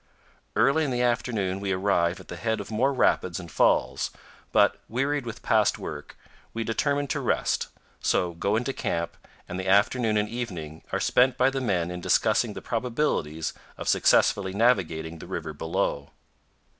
Early in the afternoon we arrive powell canyons 143.jpg THE HEART OF CATARACT CANYON. at the head of more rapids and falls, but, wearied with past work, we determine to rest, so go into camp, and the afternoon and evening are spent by the men in discussing the probabilities of successfully navigating the river below.